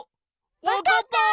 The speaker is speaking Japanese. わかった！